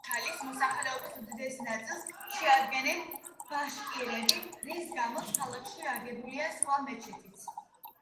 ქალაქ უჩალის მოსახლეობის უდიდეს ნაწილს შეადგენენ ბაშკირები, რის გამოც ქალაქში აგებულია სხვა მეჩეთიც.